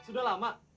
eh sudah lama